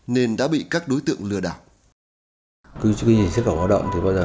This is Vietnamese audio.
nên đã bị các đối tượng lừa đảo